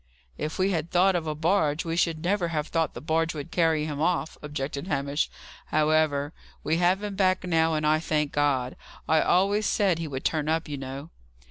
"If we had thought of a barge, we should never have thought the barge would carry him off," objected Hamish. "However, we have him back now, and I thank God. I always said he would turn up, you know."